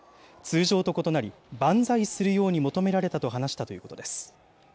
通常と異なり、万歳するように求められたと話したということです。